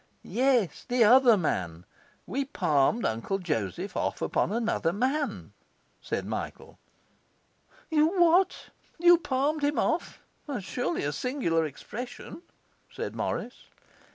'Yes, the other man. We palmed Uncle Joseph off upon another man,' said Michael. 'You what? You palmed him off? That's surely a singular expression,' said Morris.